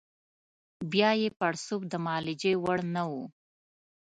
بیا یې پړسوب د معالجې وړ نه وو.